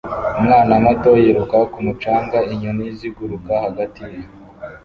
Umwana muto yiruka ku mucanga inyoni ziguruka hagati ye